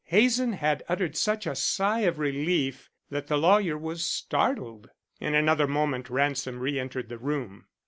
Hazen had uttered such a sigh of relief that the lawyer was startled. In another moment Ransom re entered the room.